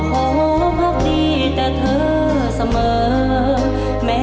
ขอพักดีแต่เธอเสมอ